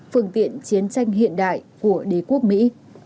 phương tiện chiến tranh hiện đại của đế quốc mỹ